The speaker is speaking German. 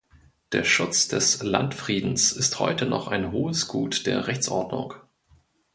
Der Schutz des Landfriedens ist auch heute noch ein hohes Gut der Rechtsordnung.